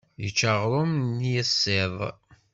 Yečča aɣrum n yisiḍ.